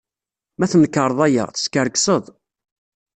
Ma tnekṛeḍ aya, teskerkseḍ.